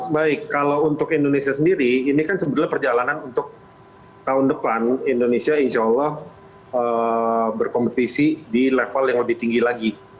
baik kalau untuk indonesia sendiri ini kan sebenarnya perjalanan untuk tahun depan indonesia insya allah berkompetisi di level yang lebih tinggi lagi